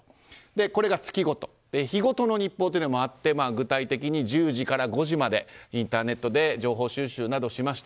これが月ごと日ごとの日報もあって具体的に１０時から５時までインターネットで情報収集などしました。